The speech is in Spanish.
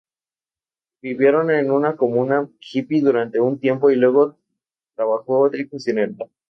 El sheriff golpea a Bill en la cabeza, siendo enviado al hospital.